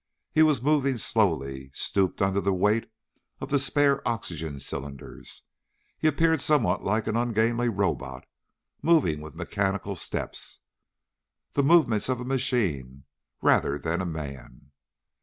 He was moving slowly, stooped under the weight of the spare oxygen cylinders. He appeared somewhat like an ungainly robot, moving with mechanical steps the movements of a machine rather than a man.